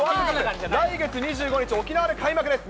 来月２５日沖縄で開幕です。